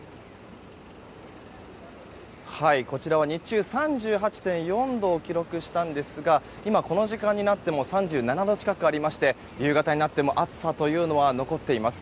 こちらは日中３８．４度を記録したんですが今、この時間になっても３７度近くありまして夕方になっても暑さというのは残っています。